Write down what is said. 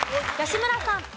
吉村さん。